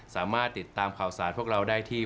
สามารถติดตามข่าวสารพวกเราได้ที่